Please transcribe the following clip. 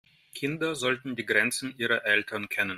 Kinder sollten die Grenzen ihrer Eltern kennen.